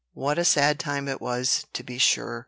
what a sad time it was, to be sure!